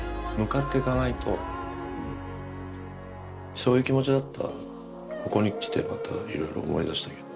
そういう気持ちだったここに来てまたいろいろ思い出したけど。